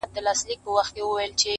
• ستا د ښايستې خولې ښايستې خبري.